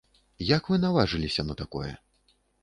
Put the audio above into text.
Як вы наважыліся на такое?